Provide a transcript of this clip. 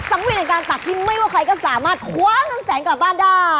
เวียนการตักที่ไม่ว่าใครก็สามารถคว้าเงินแสนกลับบ้านได้